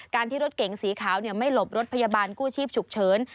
ที่รถเก๋งสีขาวไม่หลบรถพยาบาลกู้ชีพฉุกเฉิน